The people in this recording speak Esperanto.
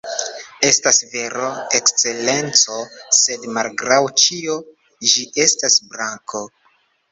“Estas vero, Ekscelenco; sed, malgraŭ ĉio, ĝi estas brako.”